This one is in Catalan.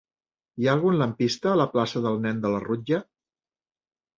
Hi ha algun lampista a la plaça del Nen de la Rutlla?